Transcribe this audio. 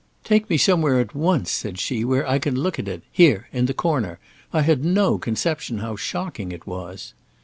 "Take me somewhere at once," said she, "where I can look at it. Here! in the corner. I had no conception how shocking it was!"